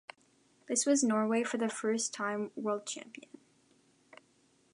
This was Norway for the first time world champion.